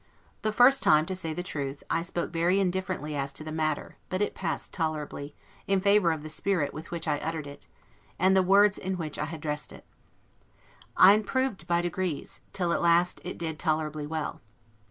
The first time, to say the truth, I spoke very indifferently as to the matter; but it passed tolerably, in favor of the spirit with which I uttered it, and the words in which I had dressed it. I improved by degrees, till at last it did tolerably well.